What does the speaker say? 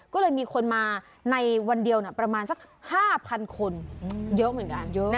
ก็เลยมีคนมาในวันเดียวประมาณสัก๕๐๐คนเยอะเหมือนกันเยอะ